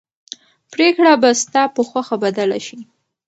پرېکړه به ستا په خوښه بدله شي.